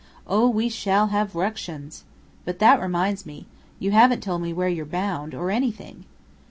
Oh, we shall have ructions! But that reminds me. You haven't told me where you're bound or anything."